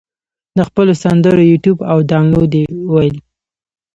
د خپلو سندرو یوټیوب او دانلود یې وویل.